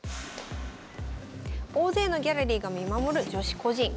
大勢のギャラリーが見守る女子個人。